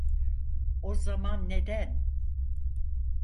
O zaman neden?